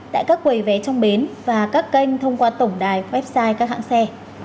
tại các quầy vé trong bến và các kênh thông qua tổng đài website các hãng xe